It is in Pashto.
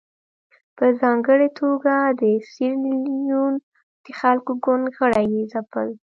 په ځانګړې توګه د سیریلیون د خلکو ګوند غړي یې ځپل.